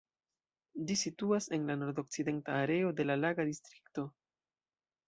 Ĝi situas en la nord-okcidenta areo de la Laga Distrikto.